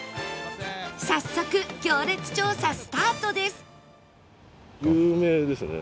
早速行列調査スタートです